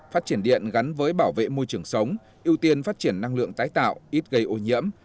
phát triển điện gắn với bảo vệ môi trường sống ưu tiên phát triển năng lượng tái tạo ít gây ô nhiễm